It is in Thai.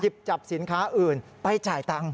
จับสินค้าอื่นไปจ่ายตังค์